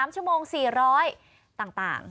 ๓ชั่วโมง๔๐๐ต่าง